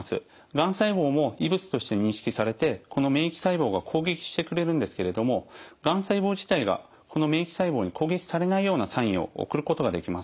がん細胞も異物として認識されてこの免疫細胞が攻撃してくれるんですけれどもがん細胞自体がこの免疫細胞に攻撃されないようなサインを送ることができます。